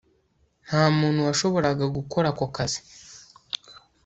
nta muntu washoboraga gukora ako kazi